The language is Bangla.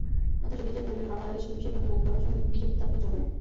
অথচ নিজের প্রয়োজনেই বাংলাদেশকে বিশ্বের নতুন আইন-কানুনের সঙ্গে বিযুক্ত থাকলে চলবে না।